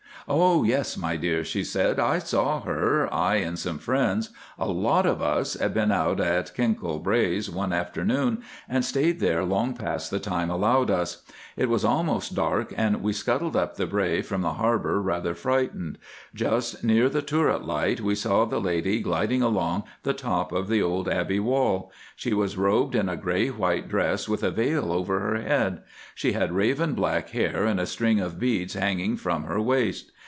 "Oh, yes, my dear," she said, "I saw her, I and some friends. A lot of us had been out at Kinkell Braes one afternoon and stayed there long past the time allowed us. It was almost dark, and we scuttled up the brae from the Harbour rather frightened. Just near the turret light we saw the lady gliding along the top of the old Abbey wall. She was robed in a grey white dress with a veil over her head. She had raven black hair, and a string of beads hanging from her waist.